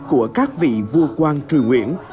của các vị vua quang truyền nguyện